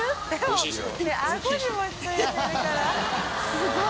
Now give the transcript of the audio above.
すごい！